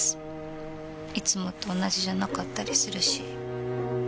いつもと同じじゃなかったりするし。